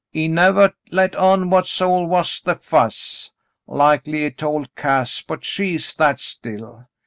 He nevah let on what all was the fuss. Likely he told Cass, but she is that still.